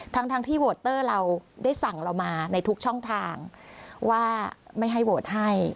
ทั้งที่โหวตเตอร์เราได้สั่งเรามาในทุกช่องทางว่าไม่ให้โหวตให้